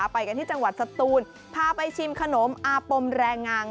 ไปกันที่จังหวัดสตูนพาไปชิมขนมอาปมแรงงัง